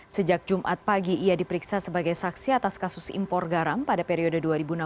sejak jumat pagi ia diperiksa sebagai saksi atas kasus impor garam pada periode dua ribu enam belas dua ribu dua